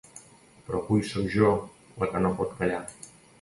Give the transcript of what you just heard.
Però avui sóc jo la que no pot callar.